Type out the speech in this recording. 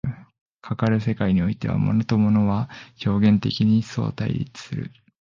かかる世界においては、物と物は表現的に相対立する。